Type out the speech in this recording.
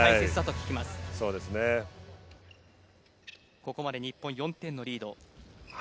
ここまで日本、４点のリード。